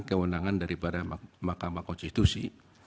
kewenangan dari barang makamah konstitusi